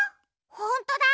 ほんとだ！